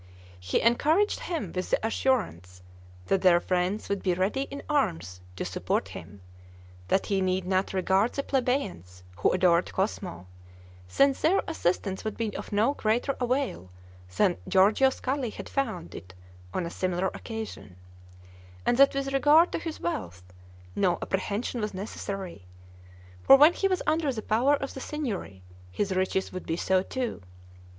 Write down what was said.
He encouraged him with the assurance that their friends would be ready in arms to support him; that he need not regard the plebeians, who adored Cosmo, since their assistance would be of no greater avail than Giorgio Scali had found it on a similar occasion; and that with regard to his wealth, no apprehension was necessary, for when he was under the power of the Signory, his riches would be so too.